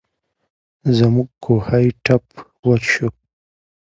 زموږ کوهۍ ټپ وچ شو.